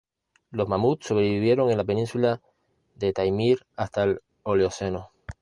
Los mamuts sobrevivieron en la península de Taimyr hasta el Holoceno.